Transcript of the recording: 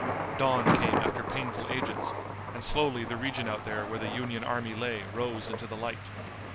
Dawn came after painful ages, and slowly the region out there where the Union army lay rose into the light.